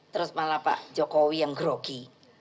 terus malah pak jokowi yang grogi